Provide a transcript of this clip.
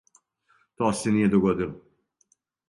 То се није догодило.